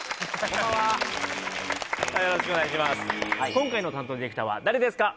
今回の担当ディレクターは誰ですか？